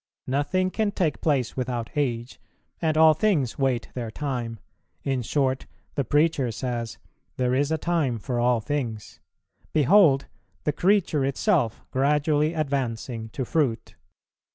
Nothing can take place without age, and all things wait their time. In short, the Preacher says 'There is a time for all things.' Behold the creature itself gradually advancing to fruit.